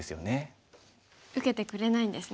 受けてくれないんですね。